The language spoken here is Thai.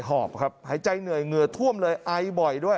หอบครับหายใจเหนื่อยเหงื่อท่วมเลยไอบ่อยด้วย